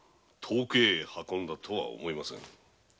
遠くへ運んだとは思えませぬ。